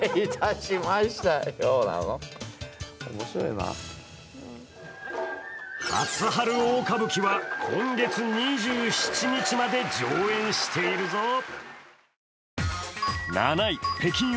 「初春大歌舞伎」は今月２７日まで上演しているぞ。